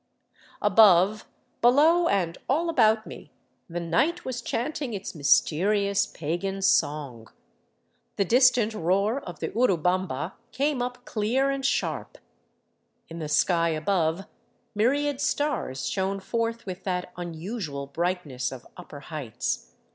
Above, below, and all about me the night was chanting its mysterious pagan song. The distant roar of the Urubamba came up clear and sharp. In the sky above, myriad stars shone forth with that unusual brightness of upper heights.